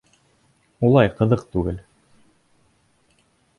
Улай ҡыҙыҡ түгел.